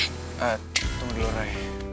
tunggu dulu ray